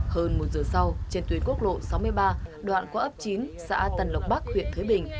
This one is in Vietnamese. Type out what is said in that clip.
hơn một giờ sau trên tuyến quốc lộ sáu mươi ba đoạn của ấp chín xã tân lộc bắc huyện thới bình